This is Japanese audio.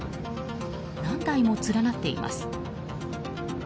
何台も連なっています。